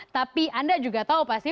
tapi anda juga tahu pasti